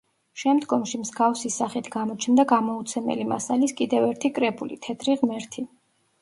შემდგომში მსგავსი სახით გამოჩნდა გამოუცემელი მასალის კიდევ ერთი კრებული, „თეთრი ღმერთი“.